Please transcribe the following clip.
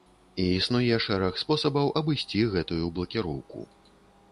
І існуе шэраг спосабаў абысці гэтую блакіроўку.